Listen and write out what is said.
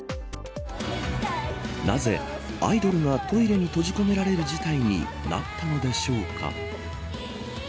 なぜアイドルがトイレに閉じ込められる事態になったのでしょうか。